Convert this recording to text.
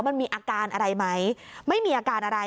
มันมีอาการอะไรไหมไม่มีอาการอะไร